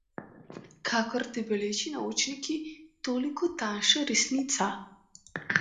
Kolikor debelejši naočniki, toliko tanjša resnica.